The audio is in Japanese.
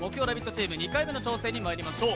チーム２回目の挑戦にまいりましょう。